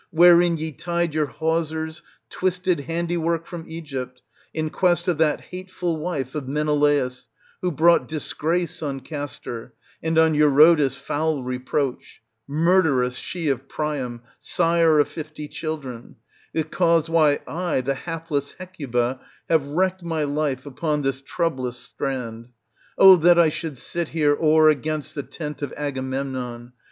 wherein ye tied your hawsers, twisted handiwork from Egypt, in quest of that hateful wife of Menelaus, who brought disgrace on Castor, and on Eurotas foul reproach ; murderess she of Priam, sire of fifty children, the cause why I, the hapless Hecuba, have wrecked my life upon this troublous strand. Oh that I should sit here o'er against the tent of Agamemnon